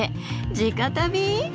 地下足袋！？